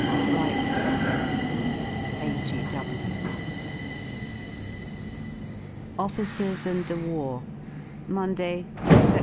Write soon, ^ A.G.W. OFFICERS AND THE WAR Monday, Sept.